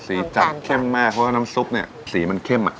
จัดเข้มมากเพราะว่าน้ำซุปเนี่ยสีมันเข้มอ่ะ